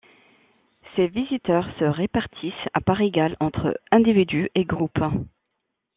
Ces visiteurs se répartissent à part égal entre individus et groupes.